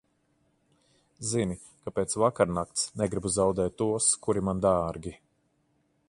Zini, ka pēc vakarnakts negribu zaudēt tos, kuri man dārgi.